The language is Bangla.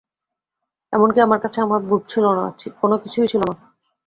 এমনকি আমার কাছে আমার বুট ছিল না, কোনো কিছুই ছিল না।